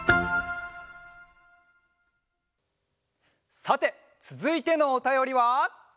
さてつづいてのおたよりは。